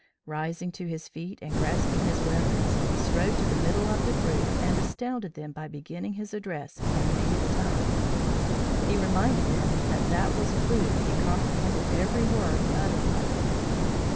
Rising to his feet and grasping his weapons, he strode to the middle of the group and astounded them by beginning his address in their native tongue. He reminded them that that was proof he comprehended every word uttered by them.